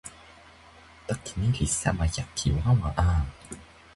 toki ni li sama jaki wawa a.